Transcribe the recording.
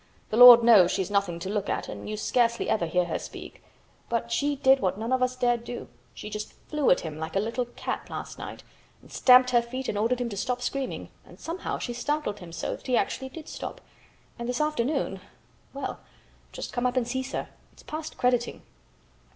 The Lord knows she's nothing to look at and you scarcely ever hear her speak, but she did what none of us dare do. She just flew at him like a little cat last night, and stamped her feet and ordered him to stop screaming, and somehow she startled him so that he actually did stop, and this afternoon—well just come up and see, sir. It's past crediting."